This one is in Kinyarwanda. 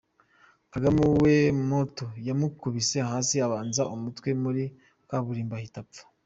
Kagame we moto yamukubise hasi abanza umutwe muri kaburimbo ahita apfa.